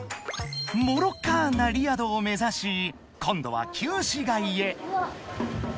［モロッカンなリヤドを目指し今度は旧市街へ］